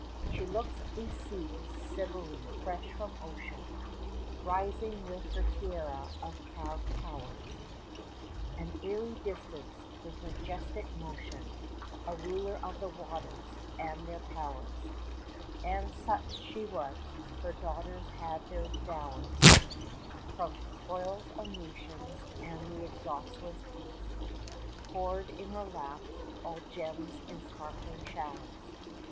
She looks a sea Cybele, fresh from ocean, 10 Rising with her tiara of proud towers At airy distance, with majestic motion, A ruler of the waters and their powers: And such she was; her daughters had their dowers From spoils of nations, and the exhaustless East 15 Poured in her lap all gems in sparkling showers.